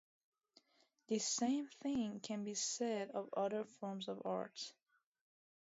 This same thing can be said of other forms of art.